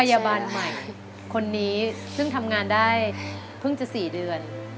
พยาบาลใหม่คนนี้ซึ่งทำงานได้เพิ่งจะ๔เดือน